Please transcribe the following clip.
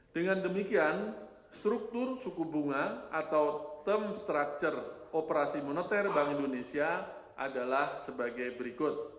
dengan demikian struktur suku bunga atau term structure operasi moneter bank indonesia adalah sebagai berikut